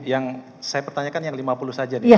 yang saya pertanyakan yang lima puluh saja nih